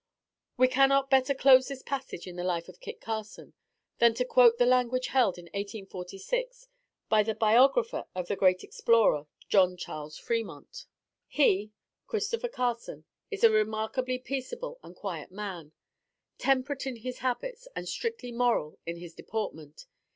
We cannot better close this passage in the life of Kit Carson than to quote the language held in 1846 by the Biographer of the great explorer, JOHN CHARLES FREMONT: "He" (Christopher Carson) "is a remarkably peaceable and quiet man, temperate in his habits, and strictly moral in his deportment.